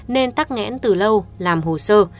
nên tắc nghẽn từ lâu làm hồ sơ